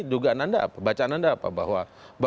dugaan anda bacaan anda apa bahwa